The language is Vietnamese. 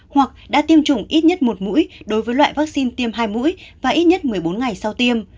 hoặc đã tiêm chủng ít nhất một mũi đối với loại vaccine tiêm hai mũi và ít nhất một mươi bốn ngày sau tiêm